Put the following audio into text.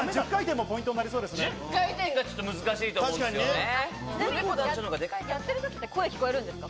１０回転が難しいと思うんですよね。